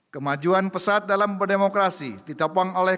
kemajuan pesat dalam berdemokrasi ditopong oleh